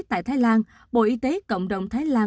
tại thái lan bộ y tế cộng đồng thái lan